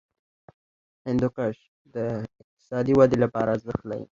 هندوکش د اقتصادي ودې لپاره ارزښت لري.